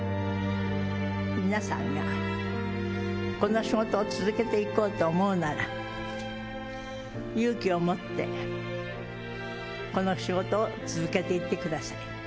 皆さんがこの仕事を続けていこうと思うなら、勇気を持って、この仕事を続けていってください。